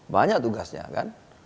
banyak tugasnya kan